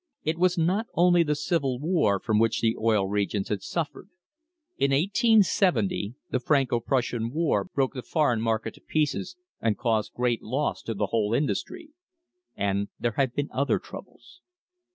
It was not only the Civil War from which the Oil Regions had suffered; in 1870 the Franco Prussian War broke the foreign market to pieces and caused great loss to the whole industry. And there had been other troubles.